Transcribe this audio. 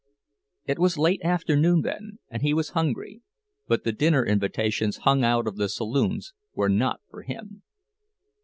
It was late afternoon then, and he was hungry, but the dinner invitations hung out of the saloons were not for him.